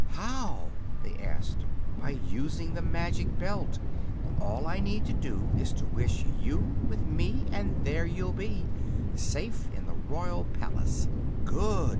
"How?" they asked. "By using the Magic Belt. All I need do is to wish you with me, and there you'll be safe in the royal palace!" "Good!"